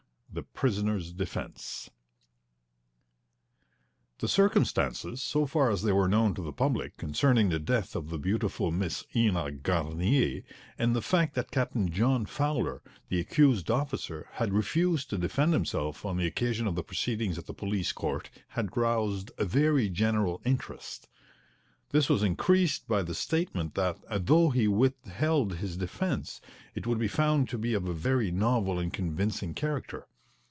IX. THE PRISONER'S DEFENCE The circumstances, so far as they were known to the public, concerning the death of the beautiful Miss Ena Garnier, and the fact that Captain John Fowler, the accused officer, had refused to defend himself on the occasion of the proceedings at the police court, had roused very general interest. This was increased by the statement that, though he withheld his defence, it would be found to be of a very novel and convincing character.